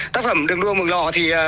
tác phẩm đường đua mường lò